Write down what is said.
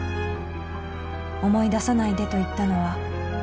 「思い出さないでと言ったのは」